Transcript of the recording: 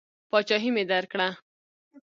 پاچهي مې درکړه.